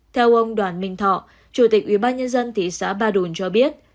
theo ông đoàn minh thọ chủ tịch ubnd thị xã ba đồn cho biết